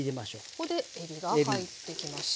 ここでえびが入ってきました。